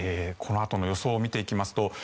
このあとの予想を見ていきますと